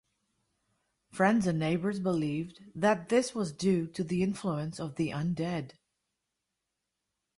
Friends and neighbors believed that this was due to the influence of the undead.